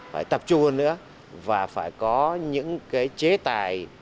phải tập trung hơn nữa và phải có những cái chế tài